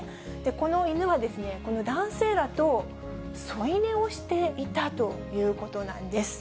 このイヌは男性らと添い寝をしていたということなんです。